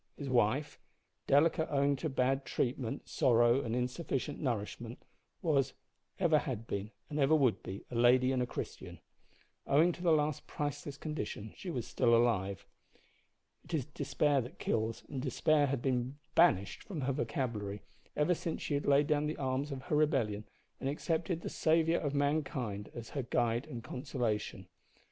His wife delicate owing to bad treatment, sorrow, and insufficient nourishment was, ever had been, and ever would be, a lady and a Christian. Owing to the last priceless condition she was still alive. It is despair that kills, and despair had been banished from her vocabulary ever since she had laid down the arms of her rebellion and accepted the Saviour of mankind as her guide and consolation.